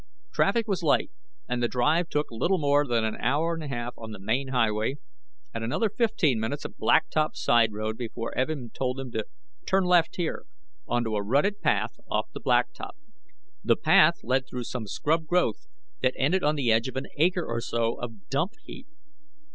Traffic was light and the drive took little more than an hour and a half on the main highway, and another fifteen minutes of blacktop side road before Evin told him to "Turn left here," onto a rutted path off the blacktop. The path led through some scrub growth that ended on the edge of an acre or so of dump heap.